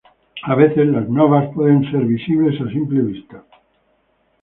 A veces las novas pueden ser visibles a simple vista.